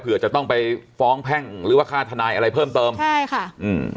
จะต้องไปฟ้องแพ่งหรือว่าค่าทนายอะไรเพิ่มเติมใช่ค่ะอืม